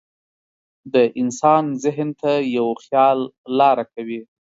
د انسان ذهن ته یو خیال لاره کوي.